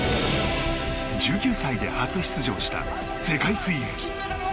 １９歳で初出場した世界水泳。